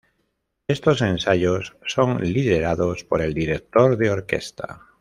Estos ensayos son liderados por el director de orquesta.